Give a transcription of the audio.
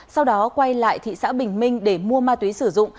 sau đó quay lại thị xã bình minh để mua ma túy sử dụng